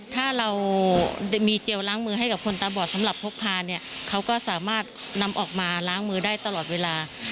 ถ้าเรามีเจลล้างมือให้กับคนตาบอดสำหรับพกพาเนี่ยเขาก็สามารถนำออกมาล้างมือได้ตลอดเวลา